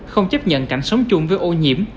không chấp nhận cảnh sống chung với ô nhiễm